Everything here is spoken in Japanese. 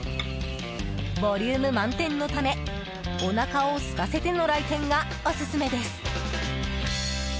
ボリューム満点のためお腹を空かせての来店がオススメです。